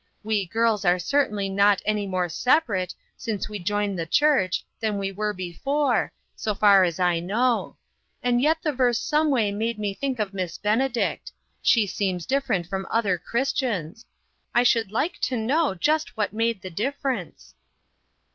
We girls are certainly not 1 36 INTERRUPTED. any more ' separate ' since we joined the church than we were before, so far as I know j and yet the verse some way made me think of Miss Benedict; she seems dif ferent from other Christians. I should like to know just what made the difference?"